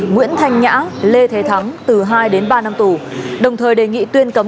nguyễn thanh nhã lê thế thắng từ hai đến ba năm tù đồng thời đề nghị tuyên cấm